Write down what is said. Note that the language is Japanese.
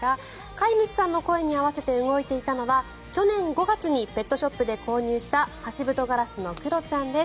飼い主さんの声に合わせて動いていたのは去年５月にペットショップで購入したハシブトガラスのクロちゃんです。